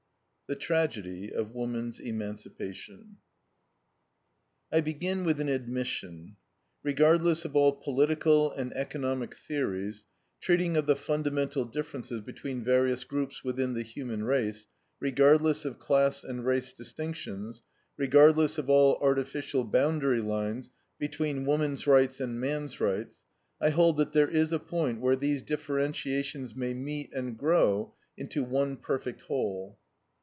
THE TRAGEDY OF WOMAN'S EMANCIPATION I begin with an admission: Regardless of all political and economic theories, treating of the fundamental differences between various groups within the human race, regardless of class and race distinctions, regardless of all artificial boundary lines between woman's rights and man's rights, I hold that there is a point where these differentiations may meet and grow into one perfect whole.